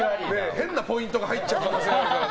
変なポイントが入っちゃう可能性があるからな。